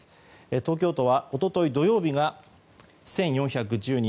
東京都は一昨日、土曜日が１４１０人。